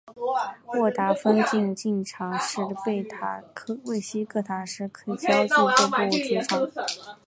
沃达丰竞技场是贝西克塔什体操俱乐部的主场。